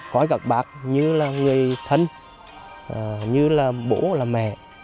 coi các bác như là người thân như là bố là mẹ